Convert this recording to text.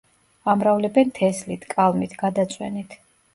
ამრავლებენ თესლით, კალმით, გადაწვენით.